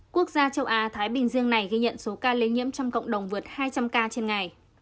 quốc gia châu á thái bình dương này ghi nhận số ca lây nhiễm trong cộng đồng vượt hai trăm linh ca trên ngày